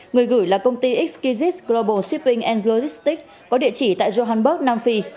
người gửi là công ty exquisites global shipping and logistics có địa chỉ tại johanburg nam phi